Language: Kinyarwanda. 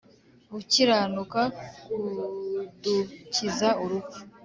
gukiranuka kudukiza urupfu